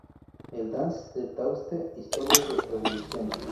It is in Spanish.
El dance de Tauste: historia y evolución.